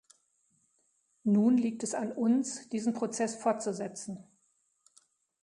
Nun liegt es an uns, diesen Prozess fortzusetzen.